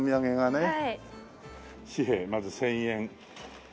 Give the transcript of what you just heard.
紙幣まず１０００円。